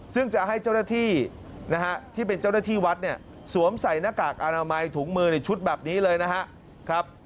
ซึ่งจะให้เจ้าหน้าที่นะฮะที่เป็นเจ้าหน้าที่วัดเนี่ยสวมใส่หน้ากากอนามัยถุงมือในชุดแบบนี้เลยนะครับ